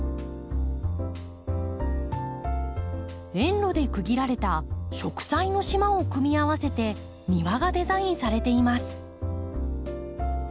園路で区切られた植栽の島を組み合わせて庭がデザインされています。